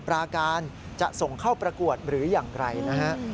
ก็ไม่ตัดอะไรดูตัดเกี่ยวว่าจะอย่างนั้น